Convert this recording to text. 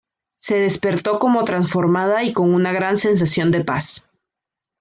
Se despertó como transformada y con una gran sensación de paz.